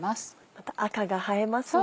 また赤が映えますね。